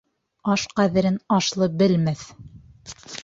Аш ҡәҙерен ашлы белмәҫ.